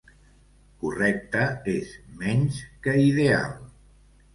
Correcte és menys que ideal.